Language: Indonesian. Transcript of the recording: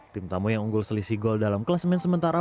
tim tamu yang unggul selisih gol dalam kelas main sementara